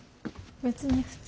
別に普通。